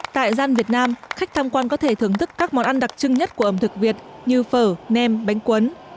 tại gian việt nam khách tham quan có thể thưởng thức các món ăn đặc trưng nhất của ẩm thực việt như phở nem bánh quấn